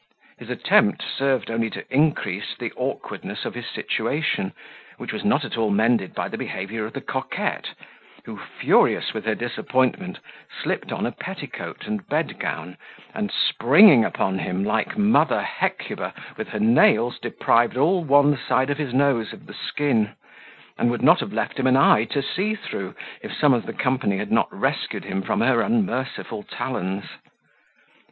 His attempt served only to increase the awkwardness of his situation, which was not at all mended by the behaviour of the coquette, who, furious with her disappointment, slipped on a petticoat and bedgown, and springing upon him, like mother Hecuba, with her nails deprived all one side of his nose of the skin; and would not have left him an eye to see through, if some of the company had not rescued him from her unmerciful talons.